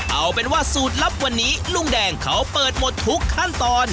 เอาเป็นว่าสูตรลับวันนี้ลุงแดงเขาเปิดหมดทุกขั้นตอน